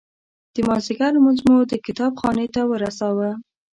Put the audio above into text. د مازدیګر لمونځ مو د کتاب خانې ته ورساوه.